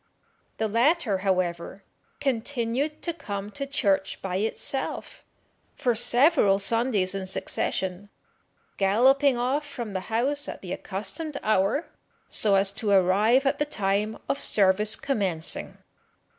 The latter, however, continued to come to church by itself for several Sundays in succession, galloping off from the house at the accustomed hour, so as to arrive at the time of service commencing.